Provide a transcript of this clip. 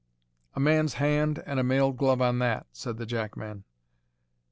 "A man's hand and a mailed glove on that," said the jackman.